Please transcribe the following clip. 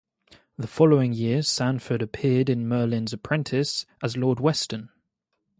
The following year Sanford appeared in "Merlin's Apprentice" as Lord Weston.